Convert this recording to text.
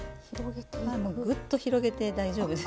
グッと広げて大丈夫です。